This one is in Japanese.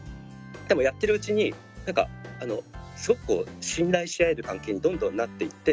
でも、やってるうちになんかすごく信頼し合える関係にどんどんなっていって。